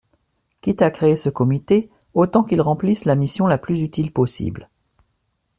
Quitte à créer ce comité, autant qu’il remplisse la mission la plus utile possible.